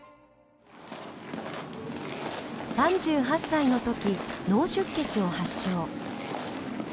３８歳のとき脳出血を発症。